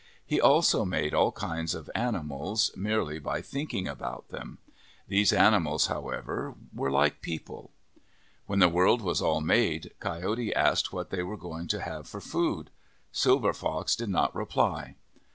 He also made all kinds of animals, merely by thinking about them. These animals, however, were like people. When the world was all made, Coyote asked what they were going to have for food. Silver Fox did not reply.